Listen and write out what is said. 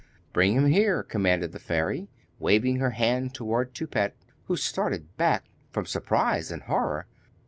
'Bring him here,' commanded the fairy, waving her hand towards Toupette, who started back from surprise and horror.